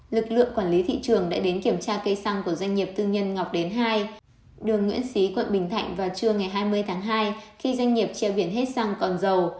lực lượng quản lý thị trường đã đến kiểm tra cây xăng của doanh nghiệp tư nhân ngọc đến hai đường nguyễn xí quận bình thạnh vào trưa ngày hai mươi tháng hai khi doanh nghiệp treo biển hết xăng còn dầu